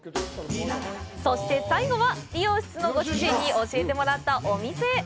そして、最後は、理容室のご主人に教えてもらったお店へ。